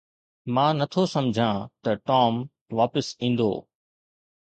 مان نه ٿو سمجهان ته ٽام واپس ايندو.